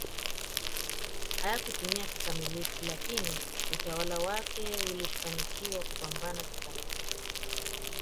hayakutimia kikamilifu lakini utawala wake ulifanikiwa kupambana kikamilifu